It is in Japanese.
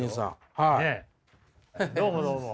どうもどうも。